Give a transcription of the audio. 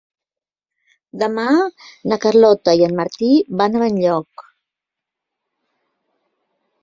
Demà na Carlota i en Martí van a Benlloc.